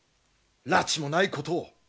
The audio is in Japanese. らちもないことを！